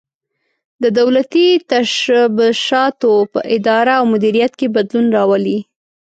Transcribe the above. د دولتي تشبثاتو په اداره او مدیریت کې بدلون راولي.